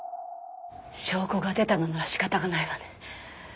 証拠が出たのなら仕方がないわね。